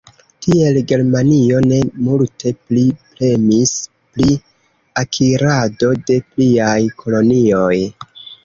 Tiel Germanio ne multe pli premis pri akirado de pliaj kolonioj.